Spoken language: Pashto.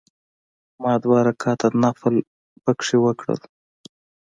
ما دوه رکعته نفل په کې وکړل.